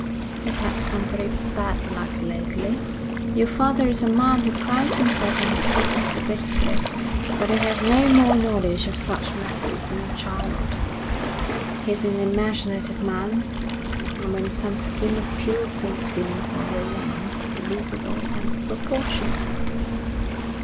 'He's had some very bad luck lately. Your father is a man who prides himself on his business ability, but he has no more knowledge of such matters than a child. He's an imaginative man, and when some scheme appeals to his feeling for romance, he loses all sense of proportion.'